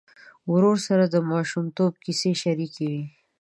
ورور سره د ماشومتوب کیسې شريکې وې.